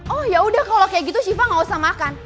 oh yaudah kalau kayak gitu syifa gak usah makan